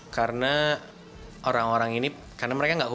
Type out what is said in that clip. karena orang orang ini karena mereka nggak umum